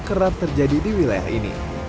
kerap terjadi di wilayah ini